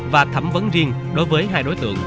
và thẩm vấn riêng đối với hai đối tượng